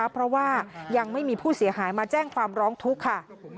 เพราะว่ายังไม่มีผู้เสียหายมาแจ้งความร้องทุกข์ค่ะ